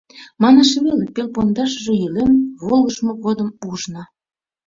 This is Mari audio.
Манаш веле: пел пондашыже йӱлен, волгыжмо годым ужна.